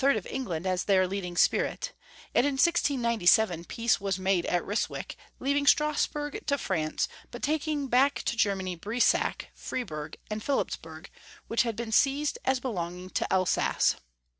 of England as their leading spirit, and in 1697 peace was made at Ryswick, leaving Strasburg to France, but taking back to Germany Briesach, Friburg, and Philipsburg, which had been seized as belonging to Elsass.